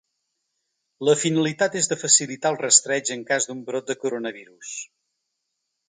La finalitat és de facilitar el rastreig en cas d’un brot de coronavirus.